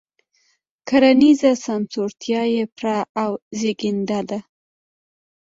کرنیزه سمسورتیا یې بره او زېږنده ده.